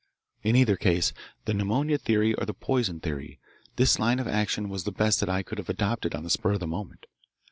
In either case the pneumonia theory or the poison theory this line of action was the best that I could have adopted on the spur of the moment.